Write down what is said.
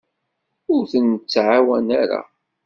Ur ten-nettɛawan ara.